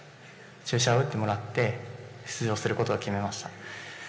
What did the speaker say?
注射を打ってもらって出場することを決めました。